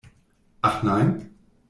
Ach nein?